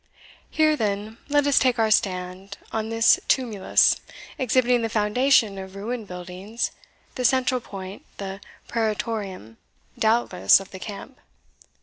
Here, then, let us take our stand, on this tumulus, exhibiting the foundation of ruined buildings, the central point the praetorium, doubtless, of the camp.